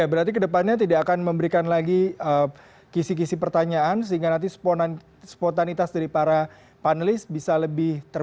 berarti kedepannya tidak akan memberikan lagi kisi kisi pertanyaan sehingga nanti spontanitas dari para panelis bisa lebih terbuka